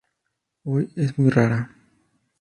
Hoy es muy rara.